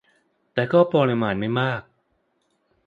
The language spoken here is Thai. แต่ก็ปริมาณไม่มาก